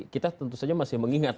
kita tentu saja masih mengingat